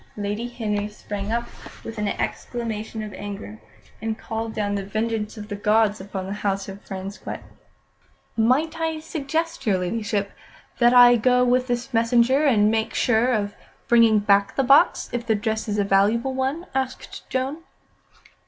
Lady Henry sprang up with an exclamation of anger, and called down the vengeance of the gods upon the house of Frasquet. "Might I suggest, your Ladyship, that I go with the messenger, and make sure of bringing back the box, if the dress is a valuable one?" asked Joan.